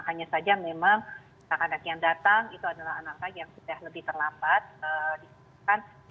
hanya saja memang anak anak yang datang itu adalah anak anak yang sudah lebih terlambat dihitungkan